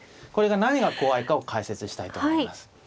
これが何が怖いかを解説したいと思います。